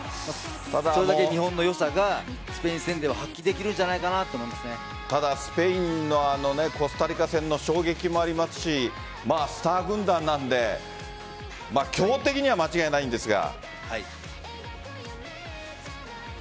それだけ日本の良さがスペイン戦では発揮できるんただ、スペインのコスタリカ戦の衝撃もありますしスター軍団なので強敵には間違いないんですが。